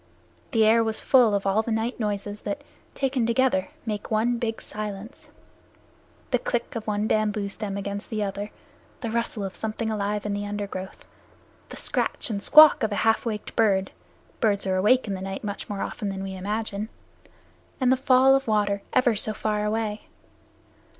The air was full of all the night noises that, taken together, make one big silence the click of one bamboo stem against the other, the rustle of something alive in the undergrowth, the scratch and squawk of a half waked bird (birds are awake in the night much more often than we imagine), and the fall of water ever so far away.